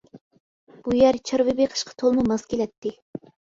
بۇ يەر چارۋا بېقىشقا تولىمۇ ماس كېلەتتى.